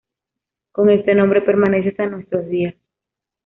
Con este nombre permanece hasta nuestros días.